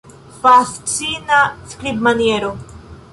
Fascina skribmaniero!